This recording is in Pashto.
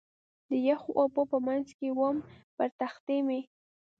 د یخو اوبو په منځ کې ووم، پر تختې مې.